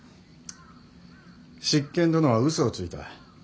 執権殿は嘘をついた。